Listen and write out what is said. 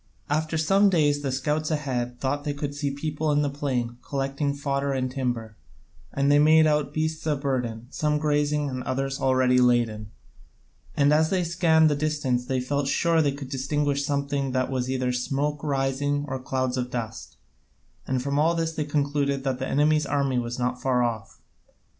After some days the scouts ahead thought they could see people in the plain collecting fodder and timber, and then they made out beasts of burden, some grazing and others already laden, and as they scanned the distance they felt sure they could distinguish something that was either smoke rising or clouds of dust; and from all this they concluded that the enemy's army was not far off.